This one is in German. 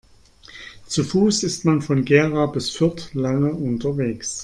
Zu Fuß ist man von Gera bis Fürth lange unterwegs